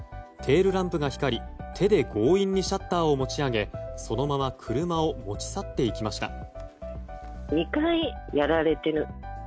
テールランプが光り手で強引にシャッターを持ち上げそのまま車を持ち去っていきました。